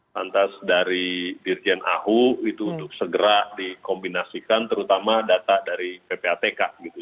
lantas dari dirjen ahu itu untuk segera dikombinasikan terutama data dari ppatk gitu